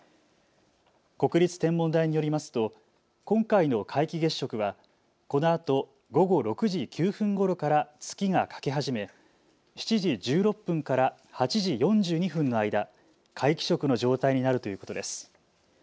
国立天文台によりますと今回の皆既月食はこのあと、午後６時９分ごろから月が欠け始め７時１６分から８時４２分の間、皆既食の状態になるということです。